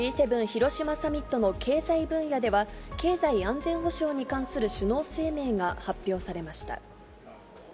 広島サミットの経済分野では、経済安全保障に関する首脳声明が発表されました。